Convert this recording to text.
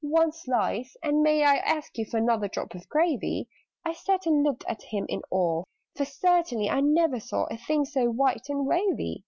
"One slice! And may I ask you for Another drop of gravy?" I sat and looked at him in awe, For certainly I never saw A thing so white and wavy.